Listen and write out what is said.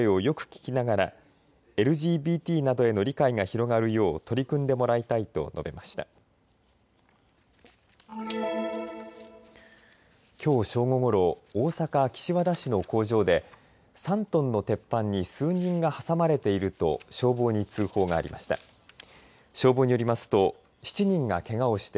きょう正午ごろ、大阪岸和田市の工場で３トンの鉄板に数人が挟まれていると消防に通報がありました。